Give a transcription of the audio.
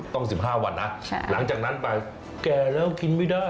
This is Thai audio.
ต้อง๑๕วันนะหลังจากนั้นไปแก่แล้วกินไม่ได้